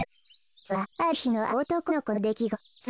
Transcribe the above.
それはあるひのあるおとこのこのできごと。